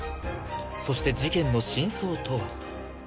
そして事件の真相とは？